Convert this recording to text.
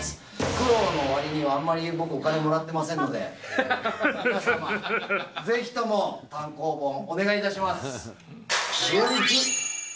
苦労のわりにはあんまり僕、お金もらってませんので、皆様、ぜひとも単行本、お願いいたします。